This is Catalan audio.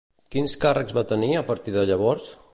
Quins càrrecs va tenir a partir de llavors?